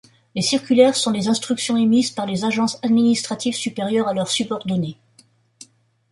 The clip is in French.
Les circulaires sont les instructions émises par les agences administratives supérieures à leurs subordonnés.